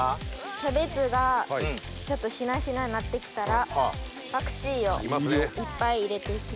キャベツがちょっとしなしななってきたらパクチーをいっぱい入れていきます。